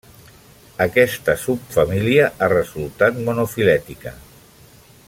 Aquesta subfamília ha resultat monofilètica.